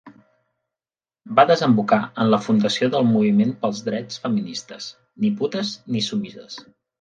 Va desembocar en la fundació del moviment pels drets feministes "Ni Putes Ni Soumises".